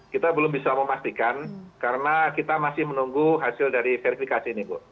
kita belum bisa memastikan karena kita masih menunggu hasil dari verifikasi ini bu